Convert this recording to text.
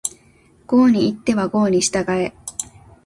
郷に入っては郷に従え